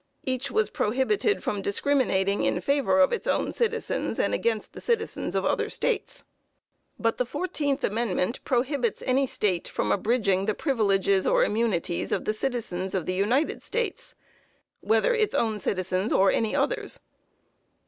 Each was prohibited from discriminating in favor of its own citizens, and against the citizens of other States. "But the fourteenth amendment prohibits any State from abridging the privileges or immunities of the citizens of the United States, whether its own citizens or any others.